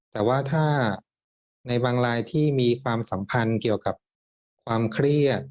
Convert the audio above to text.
แต่ว่าถ้าในบางรายที่มีความสัมพันธ์เกี่ยวกับความเครียด